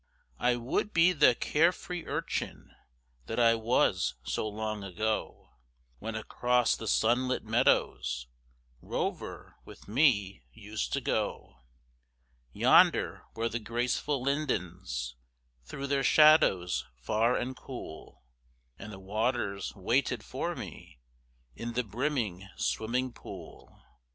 I would be the care free urchin That I was so long ago When across the sun lit meadows Rover with me used to go Yonder where the graceful lindens Threw their shadows far and cool, And the waters waited for me In the brimming swimming pool.